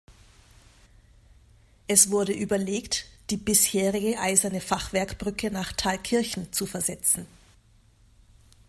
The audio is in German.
Es wurde überlegt, die bisherige eiserne Fachwerkbrücke nach Thalkirchen zu versetzen.